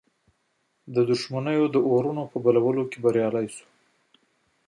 دښمنیو اورونو په بلولو کې بریالی سو.